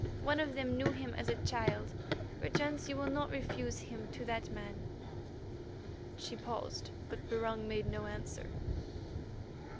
One of them knew him as a child; perchance you will not refuse him to that man." She paused, but Barung made no answer.